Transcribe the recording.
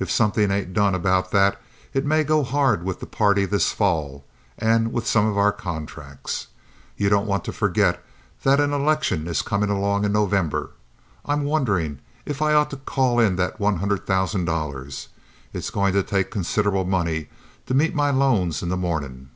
If somethin' ain't done about that, it may go hard with the party this fall, and with some of our contracts. You don't want to forget that an election is comin' along in November. I'm wonderin' if I ought to call in that one hundred thousand dollars. It's goin' to take considerable money to meet my loans in the mornin'."